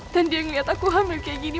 dan dia ngeliat aku hamil kayak gini